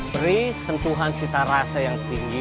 beri sentuhan cita rasa yang tinggi